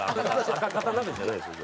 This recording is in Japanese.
赤かた鍋じゃないんですよ。